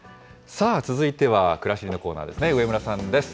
さあ、続いてはくらしりのコーナーですね、上村さんです。